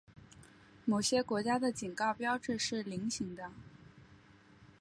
某些国家的警告标志是菱形的。